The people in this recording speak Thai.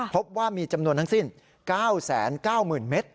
พบว่ามีจำนวนทั้งสิ้น๙๙๐๐เมตร